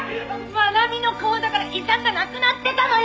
「真奈美の口座から遺産がなくなってたのよ！」